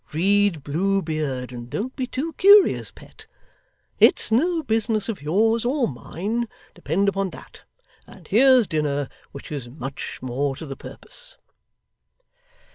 Read Blue Beard, and don't be too curious, pet; it's no business of yours or mine, depend upon that; and here's dinner, which is much more to the purpose.